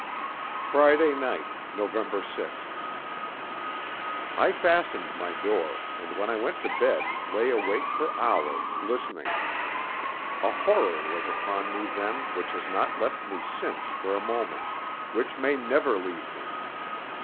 Friday Night, November 6th. I fastened my door, and when I went to bed lay awake for hours listening. A horror was upon me then which has not left me since for a moment, which may never leave me.